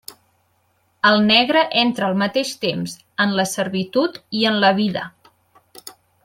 El negre entra al mateix temps en la servitud i en la vida.